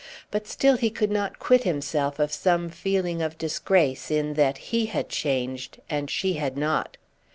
But still he could not quit himself of some feeling of disgrace in that he had changed and she had not.